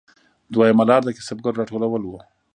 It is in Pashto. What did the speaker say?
دویمه لار د کسبګرو راټولول وو